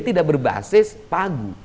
tidak berbasis pagu